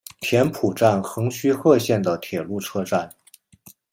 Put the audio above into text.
田浦站横须贺线的铁路车站。